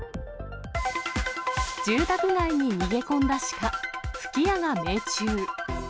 住宅街に逃げ込んだシカ、吹き矢が命中。